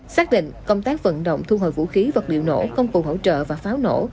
xác định công tác vận động thu hồi vũ khí vật liệu nổ công cụ hỗ trợ và pháo nổ